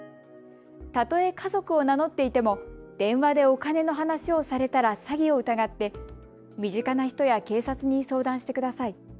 たとえ家族を名乗っていても電話でお金の話をされたら詐欺を疑って身近な人や警察に相談してください。